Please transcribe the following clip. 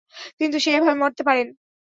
কিন্তু সে এভাবে মরতে পারেন।